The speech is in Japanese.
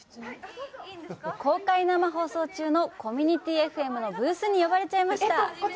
公開生放送中のコミュニティＦＭのブースに呼ばれちゃいました！